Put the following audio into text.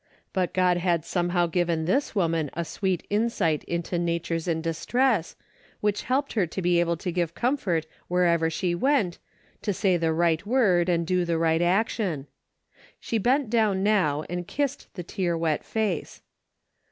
But God had somehow given this woman a sweet insight into natures in distress, which helped her to be able to give comfort wherever she went, to say the right word and do the right action. She bent down now and kissed the tear wet face.